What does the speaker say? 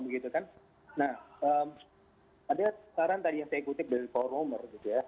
ada saran tadi yang saya kutip dari paul romer